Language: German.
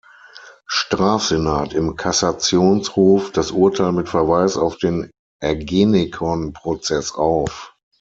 Strafsenat im Kassationshof das Urteil mit Verweis auf den Ergenekon-Prozess auf.